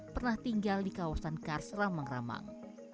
pernah tinggal di kawasan kars ramang ramang